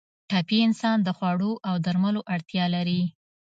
ټپي انسان د خوړو او درملو اړتیا لري.